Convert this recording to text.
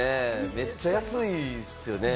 めっちゃ安いっすよね。